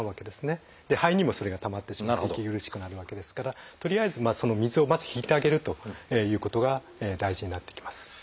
で肺にもそれが溜まってしまって息苦しくなるわけですからとりあえずその水をまず引いてあげるということが大事になってきます。